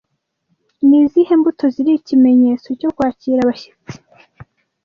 Ni izihe mbuto ziri ikimenyetso cyo kwakira abashyitsi